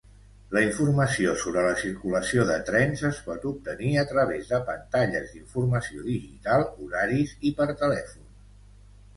La informació sobre la circulació de trens es pot obtenir a través de pantalles d'informació digital, horaris i per telèfon.